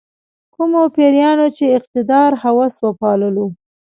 کومو پیریانو چې اقتدار هوس وپاللو.